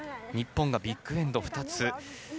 日本がビッグエンド２つ。